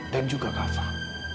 dan juga kak fah